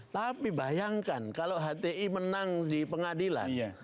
tapi bayangkan kalau hti menang di pengadilan